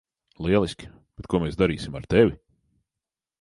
Lieliski, bet ko mēs darīsim ar tevi?